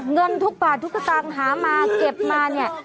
เงินทุกบาททุกสตางค์หามาเก็บมาเนี่ย